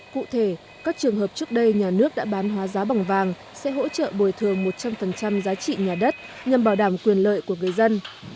cụ thể các trường hợp trước đây nhà nước đã bán hóa giá bằng vàng sẽ hỗ trợ bồi thường một trăm linh giá trị nhà đất nhằm bảo đảm quyền lợi của người dân